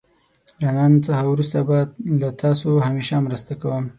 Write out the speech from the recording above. له نن څخه وروسته به له تاسو همېشه مرسته کوم.